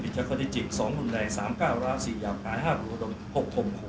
๑ผิดจากกฎเจ็จจริง๒หุ่นแรง๓แก้วร้า๔ยาวขาย๕หัวดม๖ถมขู่